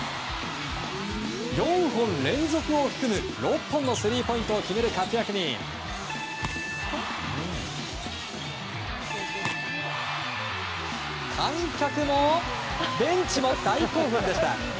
４本連続を含む、６本のスリーポイントを決める活躍に観客もベンチも大興奮でした。